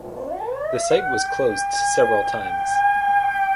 The site was closed several times.